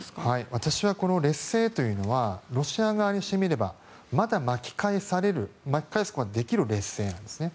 私はこの劣勢というのはロシア側にしてみればまだ巻き返せる巻き返すことができる劣勢なんですね。